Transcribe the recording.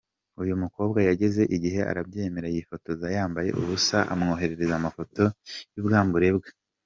Uyu mukobwa yageze igihe arabyemera yifotoza yambaye ubusa amwoherereza amafoto y’ubwambure bwe.